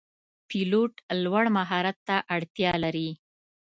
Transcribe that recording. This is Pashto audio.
پیلوټ لوړ مهارت ته اړتیا لري.